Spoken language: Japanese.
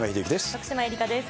徳島えりかです。